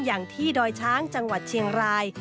อย่างที่ดอยช้างจังหวัดเชียงราย